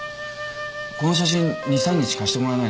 この写真２３日貸してもらえないか？